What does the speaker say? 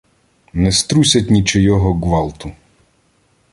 Не струсять нічийого ґвалту